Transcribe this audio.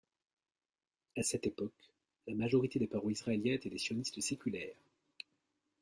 À cette époque, la majorité des parents israéliens étaient des sionistes séculaires.